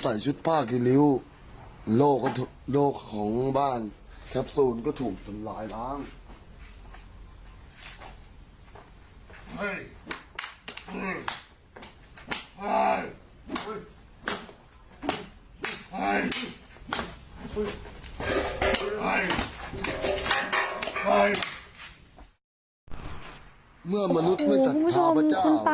อุ้หูคุณผู้ชมคุณตาเท่านัยอายุแปดสิบค่ะ